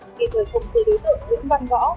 khiến người không chế đối tượng vũng văn võ